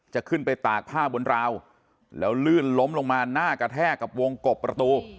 จะขึ้นไปตากผ้าบนราวแล้วลื่นล้มลงมาหน้ากระแทกกับวงกบประตู